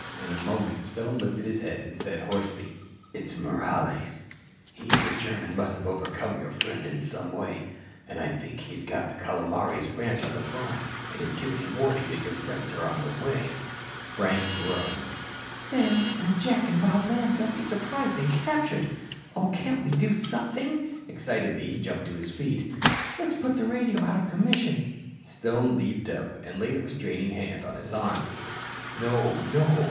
In a moment, Stone lifted his head and said hoarsely: "It's Morales. He and the German must have overcome your friend in some way. And I think he's got the Calomares ranch on the phone and is giving warning that your friends are on the way." Frank groaned. "Then when Jack and Bob land, they'll be surprised and captured. Oh, can't we do something?" Excitedly he jumped to his feet. "Let's put the radio out of commission." Stone also leaped up and laid a restraining hand on his arm. "No, no.